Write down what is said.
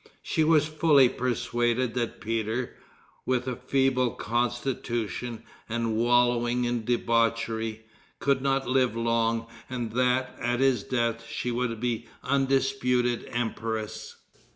She was fully persuaded that Peter, with a feeble constitution and wallowing in debauchery, could not live long, and that, at his death, she would be undisputed empress.